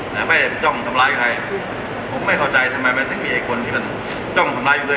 แต่ไม่ได้จ้องทำลายใครผมไม่เข้าใจทำไมมันต้องมีคนที่มันจ้องทำลายอยู่ด้วย